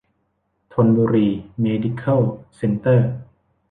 ธนบุรี เมดิเคิล เซ็นเตอร์